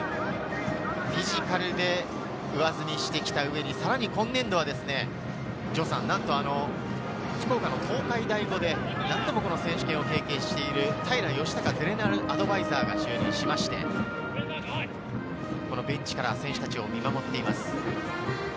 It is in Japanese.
フィジカルで上積みしてきた上に、さらに今年度は、なんと福岡の東海大五で何度も選手権を経験している平清孝ゼネラルアドバイザーも就任しまして、ベンチから選手たちを見守っています。